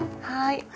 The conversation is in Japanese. はい。